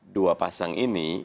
dua pasang ini